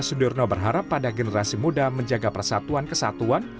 sudirno berharap pada generasi muda menjaga persatuan kesatuan